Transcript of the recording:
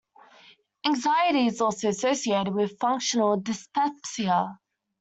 Anxiety is also associated with functional dyspepsia.